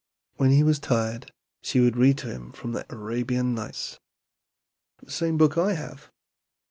When he was tired she would read to him from the 'Arabian Nights.'" "The same book I have?"